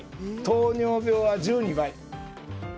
糖尿病は１２倍。